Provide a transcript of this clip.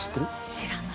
知らない。